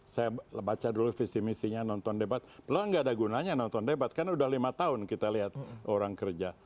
saya baca dulu visi misinya nonton debat lo nggak ada gunanya nonton debat karena udah lima tahun kita lihat orang kerja